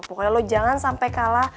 pokoknya lo jangan sampai kalah